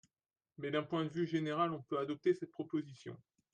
Mais, d’un point de vue général, on peut adopter cette proposition.